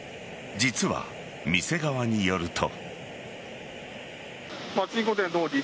実は店側によると。